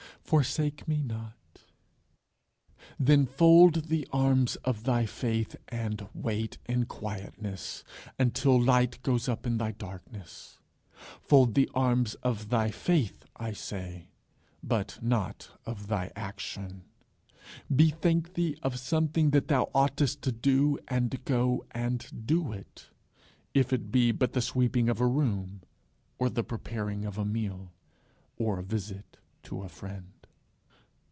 Forsake me not." Then fold the arms of thy faith, and wait in quietness until light goes up in thy darkness. Fold the arms of thy Faith I say, but not of thy Action: bethink thee of something that thou oughtest to do, and go and do it, if it be but the sweeping of a room, or the preparing of a meal, or a visit to a friend.